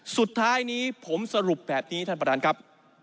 สุดท้ายนี้ผมสรุปแบบนี้ท่านประธานครับ